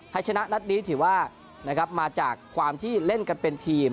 ชนะนัดนี้ถือว่ามาจากความที่เล่นกันเป็นทีม